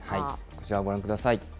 こちら、ご覧ください。